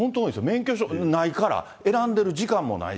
免許証ないから、選んでる時間もないし。